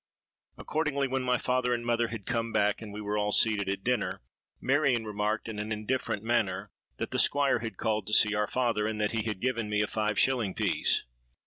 Accordingly, when my father and mother had come back, and we were all seated at dinner, Marion remarked in an indifferent manner that the Squire had called to see our father, and that he had given me a five shilling piece.